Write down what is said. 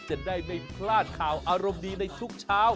จะได้ไม่พลาดข่าวอารมณ์ดีในทุกเช้า